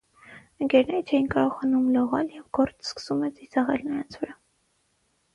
Ընկերները չէին կարողանում լողալ, և գորտն սկսում է ծիծաղել նրանց վրա։